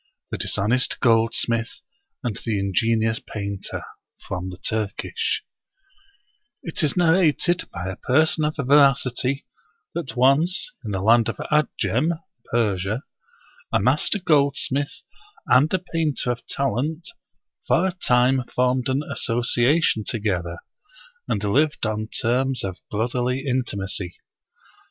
The Dishonest Goldsmith and the Ingenious Painter From the Turkish T T IS narrated by a person of veracity that once in the land of Adjem (Persia) a master goldsmith and a painter of talent for a time formed an association together, and lived on terms of brotherly intimacy.